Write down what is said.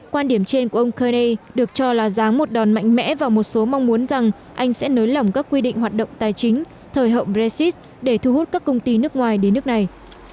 quan điểm trên của ông kernay được cho là ráng một đòn mạnh mẽ và một số mong muốn rằng anh sẽ nới lỏng các quy định hoạt động tài chính thời hậu brexit để thu hút các công ty nước ngoài đến nước này